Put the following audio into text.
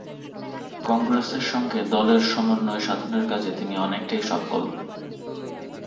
কংগ্রেসের সঙ্গে দলের সমন্বয় সাধনের কাজে তিনি অনেকটাই সফল।